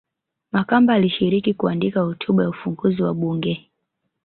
Makamba alishiriki kuandika hotuba ya ufunguzi wa bunge